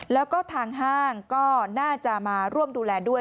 แล้วก็ทางห้างก็น่าจะมาร่วมดูแลด้วย